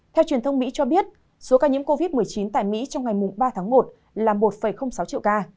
theo truyền thông mỹ cho biết số ca nhiễm covid một mươi chín tại mỹ trong ngày ba tháng một là một sáu triệu ca